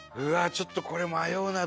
ちょっとこれ迷うなあ。